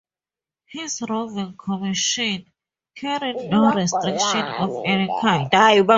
His roving commission carried no restrictions of any kind.